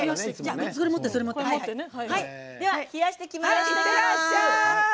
では冷やしてきます！